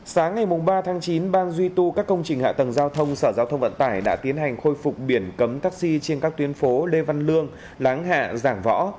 sáng ngày ba tháng chín ban duy tu các công trình hạ tầng giao thông sở giao thông vận tải đã tiến hành khôi phục biển cấm taxi trên các tuyến phố lê văn lương láng hạ giảng võ